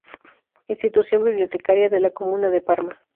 Institución Bibliotecaria de la Comuna de Parma.